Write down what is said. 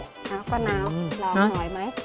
น้ำป้านาวลองหน่อยไหม